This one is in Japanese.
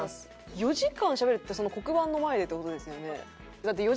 ４時間しゃべるって黒板の前でって事ですよね？